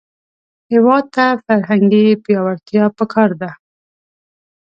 هېواد ته فرهنګي پیاوړتیا پکار ده